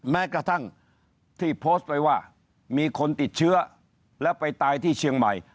แม้กระทั่งที่โพสต์ไปว่ามีคนติดเชื้อแล้วไปตายที่เชียงใหม่